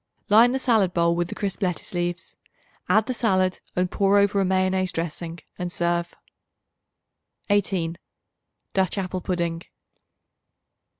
Line the salad bowl with the crisp lettuce leaves. Add the salad and pour over a mayonnaise dressing and serve. 18. Dutch Apple Pudding.